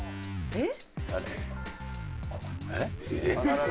えっ？